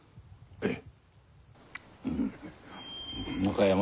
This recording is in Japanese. ええ。